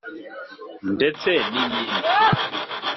ndetse n’iyindi